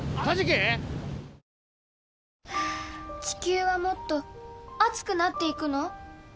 地球はもっと熱くなっていくの？